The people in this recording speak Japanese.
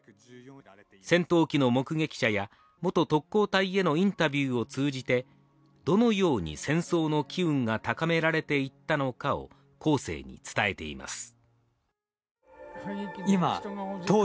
戦闘機の目撃者や元特攻隊へのインタビューを通じて、どのように戦争の機運が高められていったのかを後世に伝えています。